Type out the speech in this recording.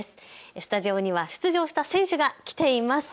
スタジオには出場した選手が来ています。